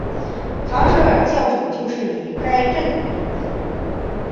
卡舍尔教省就是以该镇命名。